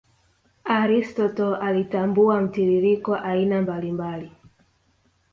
Aristotle alitambua mtiririko aina mbali mbali